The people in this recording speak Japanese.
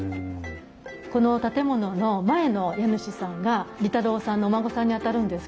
この建物の前の家主さんが利太郎さんのお孫さんにあたるんですけども